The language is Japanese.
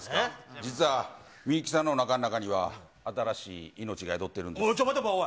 実は、みゆきさんのおなかの中には、新しい命が宿ってるんです。